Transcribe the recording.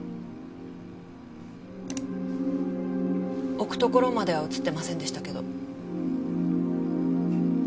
置くところまでは映ってませんでしたけど。